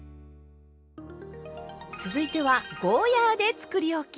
続いてはゴーヤーでつくりおき。